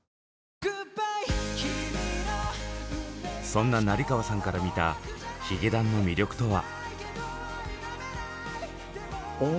そんな成河さんから見たヒゲダンの魅力とは。